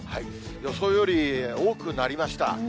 予想より多くなりました。